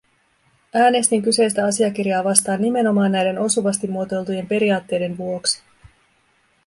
Äänestin kyseistä asiakirjaa vastaan nimenomaan näiden osuvasti muotoiltujen periaatteiden vuoksi.